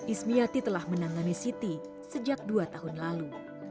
ismiati telah menangani siti sejak dua tahun lalu